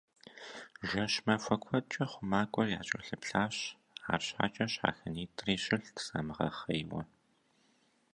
Жэщ-махуэ куэдкӏэ хъумакӏуэр якӏэлъыплъащ, арщхьэкӏэ щхьэхынитӏри щылът замыгъэхъейуэ.